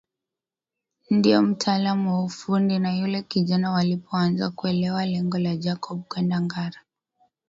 Ndio mtaalam wa ufundi na yule kijana walipoanza kuelewa lengo la Jacob kwenda Ngara